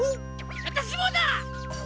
わたしもだ！